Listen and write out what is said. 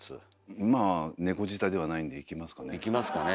まあ猫舌ではないんでいきますかね。